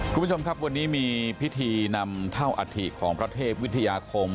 คุณผู้ชมครับวันนี้มีพิธีนำเท่าอธิของพระเทพวิทยาคม